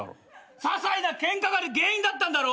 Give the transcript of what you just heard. ささいなケンカが原因だったんだろ？